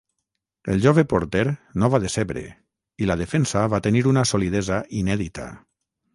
El jove porter no va decebre i la defensa va tenir una solidesa inèdita.